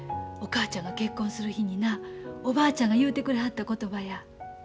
お母ちゃんが結婚する日になおばあちゃんが言うてくれはった言葉や。